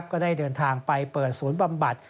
ก็ได้เดินทางไปเปิดศูนย์บำบัด